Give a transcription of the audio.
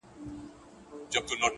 خو ما د لاس په دسمال ووهي ويده سمه زه؛